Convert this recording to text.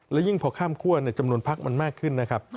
และยิ่งพอข้ามคั่วจำนวนพักมันมากขึ้นนะครับ